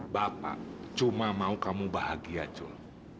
bapak cuma mau kamu bahagia cul